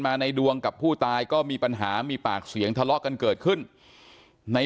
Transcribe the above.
ในดวงกับผู้ตายก็มีปัญหามีปากเสียงทะเลาะกันเกิดขึ้นใน